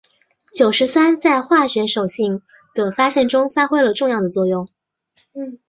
酒石酸在化学手性的发现中发挥了重要的作用。